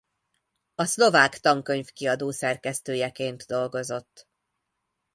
A Szlovák Tankönyvkiadó szerkesztőjeként dolgozott.